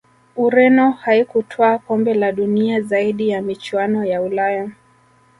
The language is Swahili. Ureno haikutwaa kombe la dunia zaidi ya michuano ya Ulaya